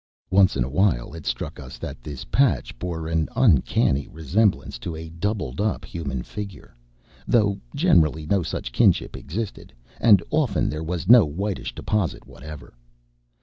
Once in a while it struck us that this patch bore an uncanny resemblance to a doubled up human figure, though generally no such kinship existed, and often there was no whitish deposit whatever.